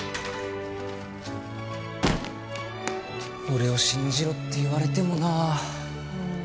俺を信じろって言われてもなあ。